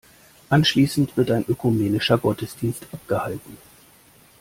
Anschließend wird ein ökumenischer Gottesdienst abgehalten.